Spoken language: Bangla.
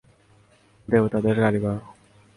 দেবতাদের কারিগর।